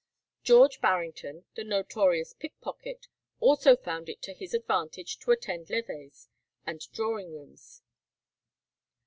George Barrington, the notorious pickpocket, also found it to his advantage to attend levees and drawing rooms.